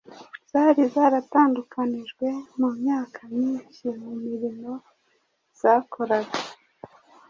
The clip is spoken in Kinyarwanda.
zari zaratandukanyijwe mu myaka myinshi mu mirimo zakoraga,